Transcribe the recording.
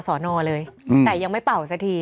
สอนอเลยแต่ยังไม่เป่าสักที